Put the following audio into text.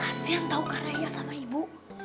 kasian tau kak raya sama ibu